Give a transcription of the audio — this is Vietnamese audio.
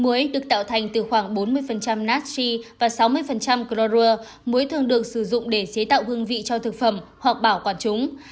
muối được tạo thành từ khoảng bốn mươi nasry và sáu mươi chro muối thường được sử dụng để chế tạo hương vị cho thực phẩm hoặc bảo quản chúng